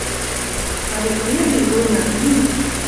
А вет перви, война ин